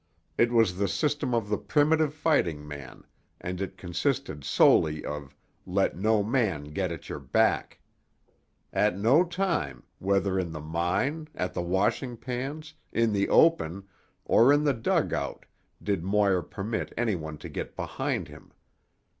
It was the system of the primitive fighting man and it consisted solely of: let no man get at your back. At no time, whether in the mine, at the washing pans, in the open, or in the dugout did Moir permit any one to get behind him.